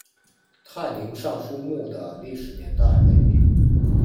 泰宁尚书墓的历史年代为明。